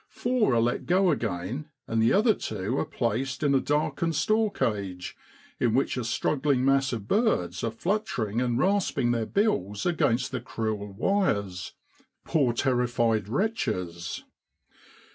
Four are let go again, and the other two are placed in a darkened store cage, in which a struggling mass of birds are fluttering and rasping their bills against the cruel wires. Poor terrified wretches!